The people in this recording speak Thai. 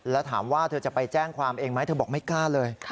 แล้วถามว่าเธอจะไปแจ้งความเองไหมเธอบอกไม่กล้าเลย